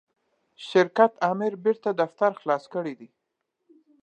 شرکت آمر بیرته دفتر خلاص کړی دی.